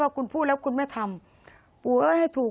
พระพุทธคือพระพุทธคือ